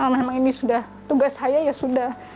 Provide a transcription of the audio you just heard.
memang ini sudah tugas saya ya sudah